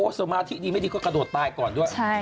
สมาธิดีไม่ดีก็กระโดดตายก่อนด้วย